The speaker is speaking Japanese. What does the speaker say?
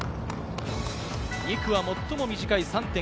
２区は最も短い３．９ｋｍ。